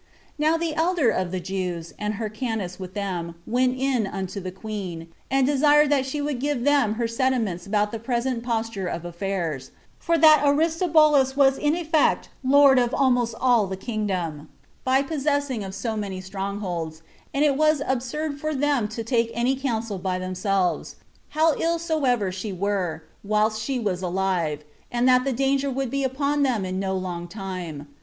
Now the elders of the Jews, and Hyrcanus with them, went in unto the queen, and desired that she would give them her sentiments about the present posture of affairs, for that Aristobulus was in effect lord of almost all the kingdom, by possessing of so many strong holds, and that it was absurd for them to take any counsel by themselves, how ill soever she were, whilst she was alive, and that the danger would be upon them in no long time.